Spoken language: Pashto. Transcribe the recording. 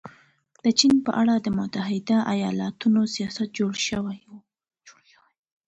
د چین په اړه د متحده ایالتونو سیاست جوړ شوی.